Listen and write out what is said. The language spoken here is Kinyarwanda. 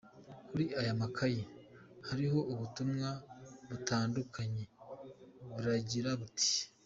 Kuri aya makayi hariho ubutumwa butandukanye buragira buti:".